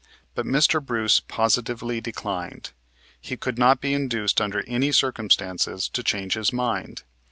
But Mr. Bruce positively declined. He could not be induced under any circumstances to change his mind.